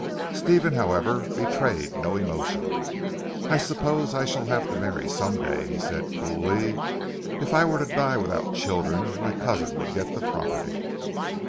Stephen however betrayed no emotion. "I suppose I shall have to marry some day," he said coolly. "If I were to die without children my cousin would get the property."